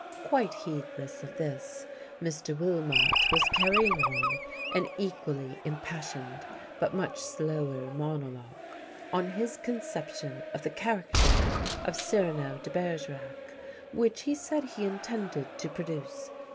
Quite heedless of this Mr. Willmott was carrying on an equally impassioned but much slower monologue on his conception of the character of Cyrano de Bergerac, which he said he intended to produce.